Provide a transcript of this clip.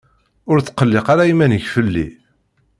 Ur ttqelliq ara iman-ik fell-i.